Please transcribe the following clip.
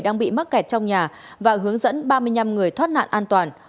đang bị mắc kẹt trong nhà và hướng dẫn ba mươi năm người thoát nạn an toàn